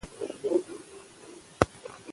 موږ په ګډه کار کوو.